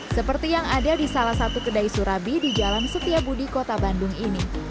seperti yang ada di salah satu kedai surabi di jalan setiabudi kota bandung ini